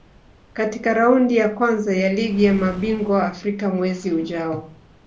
katika Raundi ya Kwanza ya Ligi ya Mabingwa Afrika mwezi ujao